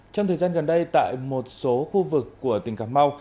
trong thời gian gần đây tại một số khu vực của tỉnh cà mau